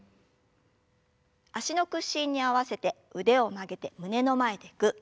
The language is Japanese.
脚の屈伸に合わせて腕を曲げて胸の前でぐっ。